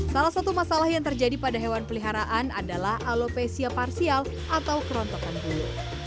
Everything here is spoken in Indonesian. salah satu masalah yang terjadi pada hewan peliharaan adalah alopesia parsial atau kerontokan bulu